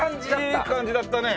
いい感じだったね。